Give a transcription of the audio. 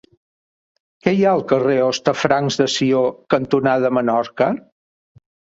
Què hi ha al carrer Hostafrancs de Sió cantonada Menorca?